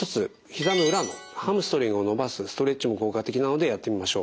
ひざの裏のハムストリングを伸ばすストレッチも効果的なのでやってみましょう。